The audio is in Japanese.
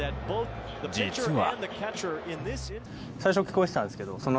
実は。